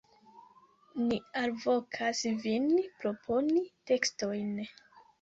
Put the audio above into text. Ni alvokas vin proponi tekstojn.